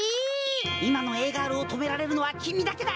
いまのＡガールをとめられるのはきみだけだ！